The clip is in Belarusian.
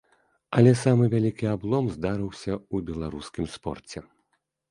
Але самы вялікі аблом здарыўся ў беларускім спорце.